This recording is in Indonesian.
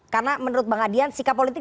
karena menurut bang adian sikap politik